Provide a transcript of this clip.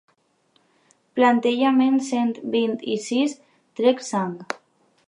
Plantejament cent vint-i-sis trec sang.